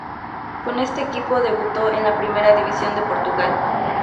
Con este equipo debutó en la Primera División de Portugal.